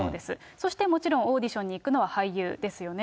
そしてもちろん、オーディションに行くのは俳優ですよね。